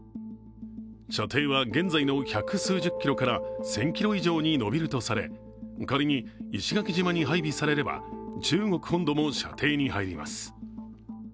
射程は現在の百数十キロから１０００ｋｍ以上に延びるとされ仮に石垣島に配備されれば中国本土も射程に入ります。